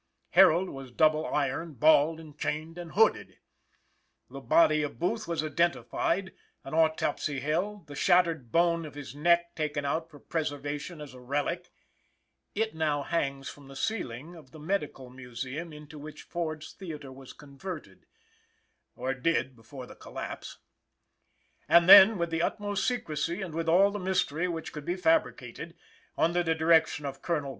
Herold was double ironed, balled and chained and hooded. The body of Booth was identified; an autopsy held; the shattered bone of his neck taken out for preservation as a relic (it now hangs from the ceiling of the Medical Museum into which Ford's Theatre was converted, or did before the collapse); and then, with the utmost secrecy and with all the mystery which could be fabricated, under the direction of Col.